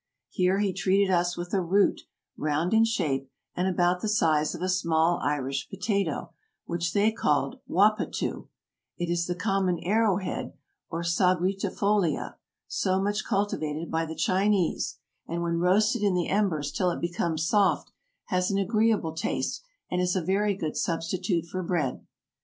Here he treated us with a root, round in shape and about the size of a small Irish potato, which they call wappatoo; it is the common arrowhead or sagittifolia so much culti vated by the Chinese, and when roasted in the embers till it becomes soft, has an agreeable taste and is a very good substitute for bread.